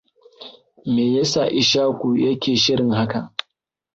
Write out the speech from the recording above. Meyasa Ishaku yake shirin hakan?